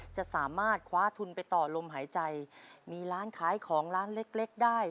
จะสามารถคว้าทุนไปต่อลมหายใจมีร้านขายของร้านเล็กเล็กได้